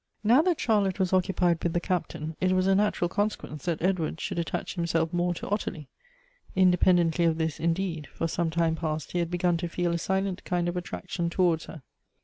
NOW that Charlotte was occupied with the Captain, it was a natural consequence that Edward should attach himself more to Ottilie. Independently of this, indeed, for some time past he had begun to feel a silent kind of attraction towards her.